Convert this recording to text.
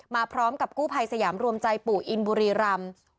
มาพร้อมกับกู้ภัยสยามรวมใจปู่อินบุรีรำ